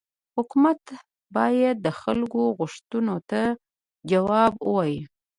حکومت باید د خلکو غوښتنو ته جواب ووايي.